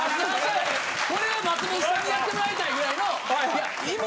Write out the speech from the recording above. これは松本さんにやってもらいたいぐらいの意味